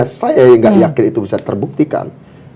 padahal buktinya saya yang gak yakin itu bisa terbuktikan